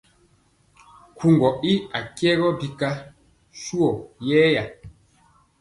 Nkugɔ ii nkayɛ bika suwɔ yɛya.